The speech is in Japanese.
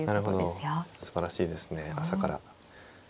すばらしいですね朝から。